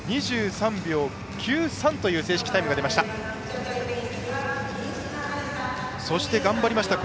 ２３秒９３という正式タイムが出ました。